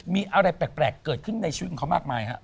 มีอะไรแปลกเกิดขึ้นในชีวิตของเขามากมายฮะ